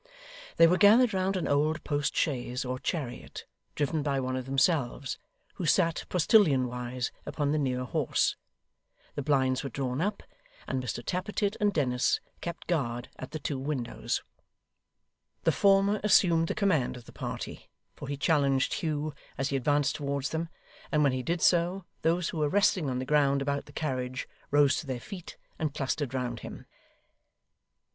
They were gathered round an old post chaise or chariot, driven by one of themselves, who sat postilion wise upon the near horse. The blinds were drawn up, and Mr Tappertit and Dennis kept guard at the two windows. The former assumed the command of the party, for he challenged Hugh as he advanced towards them; and when he did so, those who were resting on the ground about the carriage rose to their feet and clustered round him.